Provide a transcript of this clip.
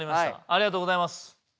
ありがとうございます！